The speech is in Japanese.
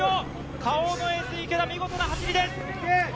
Ｋａｏのエース・池田見事な走りです。